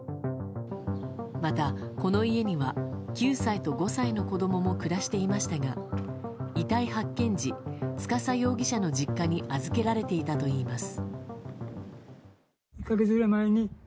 また、この家には９歳と５歳の子供も暮らしていましたが遺体発見時、司容疑者の実家に預けられていたといいます。